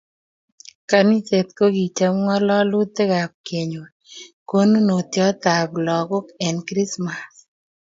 Kaniset kokichop ngalalutik ab kenyor konunotiot ab lokok eng krismass